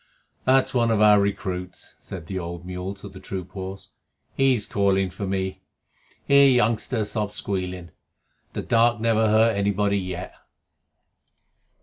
"That's one of our recruits," said the old mule to the troop horse. "He's calling for me. Here, youngster, stop squealing. The dark never hurt anybody yet."